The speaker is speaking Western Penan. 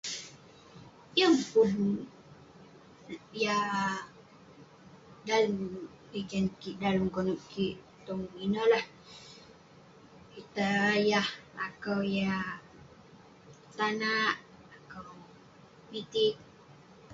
Yeng pun yah..dalem piken, dalem konep kik..tong ineh lah..pitah yah..lakau yah tanak, lakau mitik.